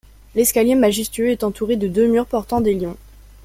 L'escalier majestueux est entouré de deux murs portant des lions.